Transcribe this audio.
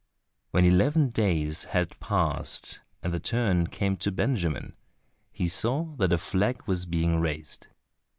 When eleven days had passed and the turn came to Benjamin, he saw that a flag was being raised.